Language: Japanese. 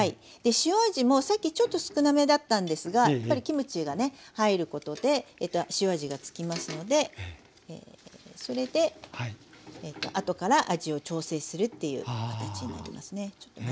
塩味もさっきちょっと少なめだったんですがやっぱりキムチがね入ることで塩味が付きますのでそれで後から味を調整するっていう形になりますね。